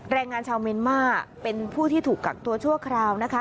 แรงงานชาวเมียนมาร์เป็นผู้ที่ถูกกักตัวชั่วคราวนะคะ